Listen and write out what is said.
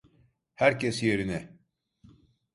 Herkes yerine!